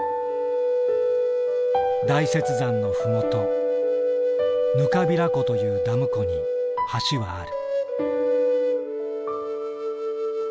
大雪山の麓糠平湖というダム湖に橋はある。